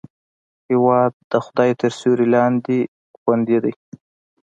هېواد د خدای تر سیوري لاندې خوندي دی.